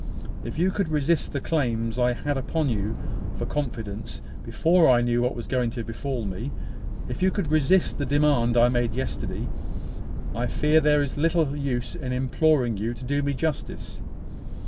If you could resist the claims I had upon you for confidence before I knew what was going to befall me if you could resist the demand I made yesterday, I fear there is little use in imploring you to do me justice.